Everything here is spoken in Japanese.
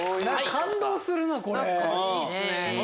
感動するなぁこれ。